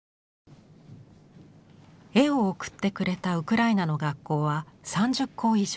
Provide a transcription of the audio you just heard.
絵を送ってくれたウクライナの学校は３０校以上。